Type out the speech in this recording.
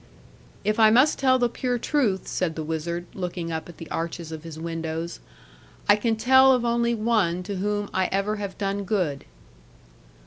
'If I must tell the pure truth,' said the wizard, looking up at the arches of his windows, 'I can tell of only one to whom I ever have done good.'